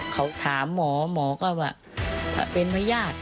เขาถามหมอหมอก็ว่าเป็นพญาติ